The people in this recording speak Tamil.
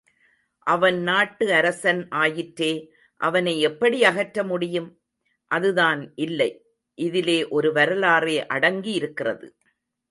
அவன் நாட்டு அரசன் ஆயிற்றே, அவனை எப்படி அகற்றமுடியும்? அதுதான் இல்லை இதிலே ஒரு வரலாறே அடங்கி இருக்கிறது.